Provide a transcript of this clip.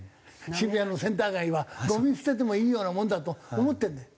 渋谷のセンター街はごみ捨ててもいいようなもんだと思ってんだよ。